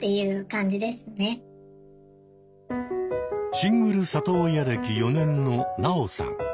シングル里親歴４年のナオさん。